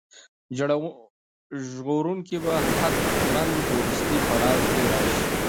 ژغورونکی به حتماً په وروستي پړاو کې راشي.